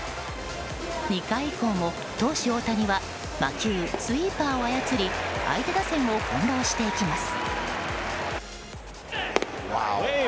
２回以降も投手・大谷は魔球スイーパーを操り相手打線を翻弄していきます。